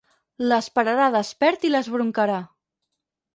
L'esperarà despert i l'esbroncarà.